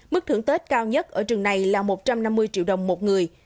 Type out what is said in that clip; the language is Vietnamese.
mức thưởng tết cao nhất ở trường này là một trăm năm mươi triệu đồng một người